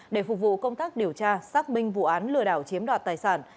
để phục vụ công tác điều tra xác minh vụ án lừa đảo chiếm đoạt tài sản